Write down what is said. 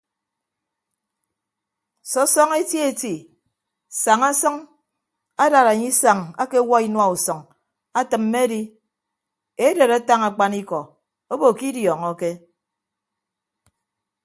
Sọsọñọ eti eti saña sʌñ adad anye isañ akewuo inua usʌñ atịmme edi edet atañ akpanikọ obo ke idiọñọke.